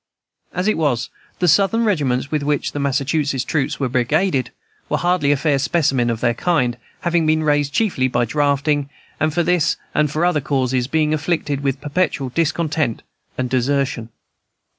As it was, the Southern regiments with which the Massachusetts troops were brigaded were hardly a fair specimen of their kind, having been raised chiefly by drafting, and, for this and other causes, being afflicted with perpetual discontent and desertion.